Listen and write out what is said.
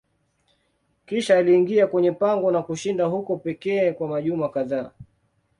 Kisha aliingia kwenye pango na kushinda huko pekee kwa majuma kadhaa.